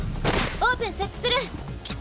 オープン設置する！